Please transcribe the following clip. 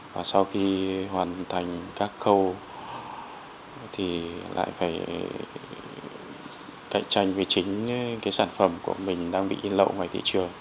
và sau khi hoàn thành các khâu thì lại phải cạnh tranh với chính cái sản phẩm của mình đang bị lậu ngoài thị trường